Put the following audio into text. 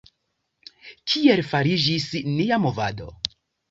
Kiel fariĝis nia movado?